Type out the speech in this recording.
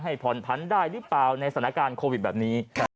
ผ่อนผันได้หรือเปล่าในสถานการณ์โควิดแบบนี้